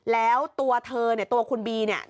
แล้วตัวเธอเนี่ยตัวคุณบีเนี่ย